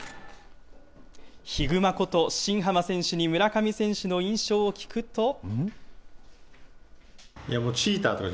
ヒグマこと新濱選手に村上選手の印象を聞くと。